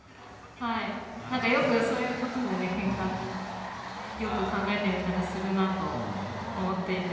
よくそういうことで、けんかをよく考えたらするなと思っていて。